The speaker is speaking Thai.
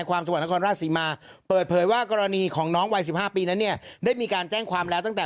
ของครับสิมาเปิดเผยว่ากรณีของน้องวัยสิบห้าปีนะเนี่ยได้มีการแจ้งความแล้วตั้งแต่